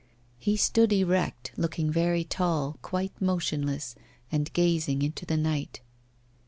He stood erect, looking very tall, quite motionless, and gazing into the night.